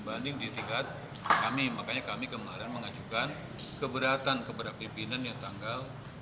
banding di tingkat kami makanya kami kemarin mengajukan keberatan keberhapipinan yang tanggal